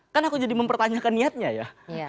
kan aku jadi mempertanyakan niatnya ya